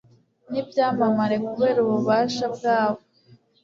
n'ibyamamare kubera ububasha bwabo